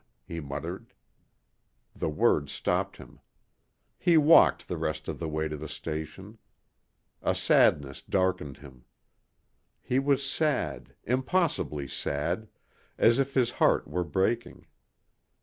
he muttered. The word stopped him. He walked the rest of the way to the station. A sadness darkened him. He was sad, impossibly sad, as if his heart were breaking.